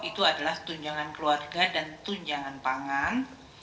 itu adalah tunjangan keluarga dan tunjangan pangan